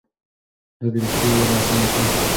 ده د رښتيا لاره اسانه کړه.